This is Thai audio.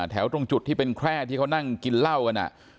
ตรงจุดที่เป็นแคร่ที่เขานั่งกินเหล้ากัน